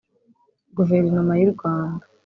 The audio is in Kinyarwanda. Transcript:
Guverinoma y’u Rwanda